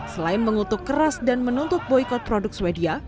selain mengutuk keras dan menutup boikot produk swedia